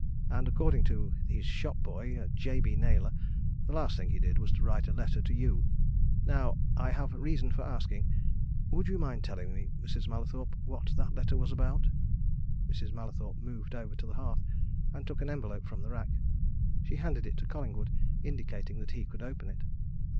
And according to his shop boy, Jabey Naylor, the last thing he did was to write a letter to you. Now I have reason for asking would you mind telling me, Mrs. Mallathorpe, what that letter was about?" Mrs. Mallathorpe moved over to the hearth, and took an envelope from the rack. She handed it to Collingwood, indicating that he could open it.